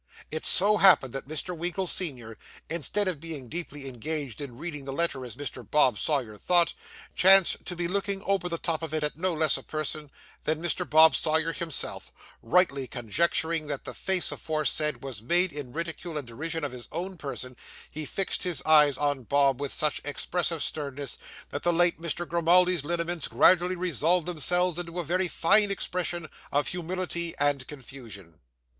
It so happened that Mr. Winkle, senior, instead of being deeply engaged in reading the letter, as Mr. Bob Sawyer thought, chanced to be looking over the top of it at no less a person than Mr. Bob Sawyer himself; rightly conjecturing that the face aforesaid was made in ridicule and derision of his own person, he fixed his eyes on Bob with such expressive sternness, that the late Mr. Grimaldi's lineaments gradually resolved themselves into a very fine expression of humility and confusion.